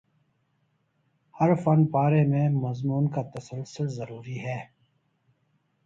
ہر فن پارے میں مضمون کا تسلسل ضروری ہے